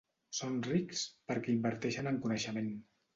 Són rics perquè inverteixen en coneixement.